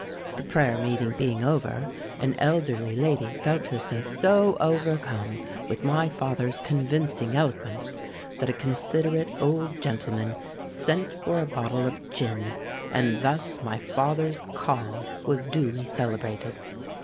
"The prayer meeting being over, an elderly lady felt herself so overcome with my father's convincing eloquence, that a considerate old gentleman sent for a bottle of gin; and thus my father's 'call' was duly celebrated.